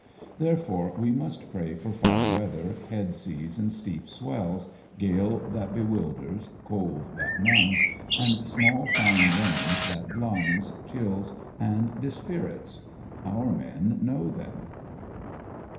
Therefore we must pray for foul weather, head seas and steep swells, gale that bewilders, cold that numbs, and small fine rain that blinds, chills, and dispirits. Our men know them.